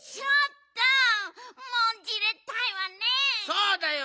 そうだよ！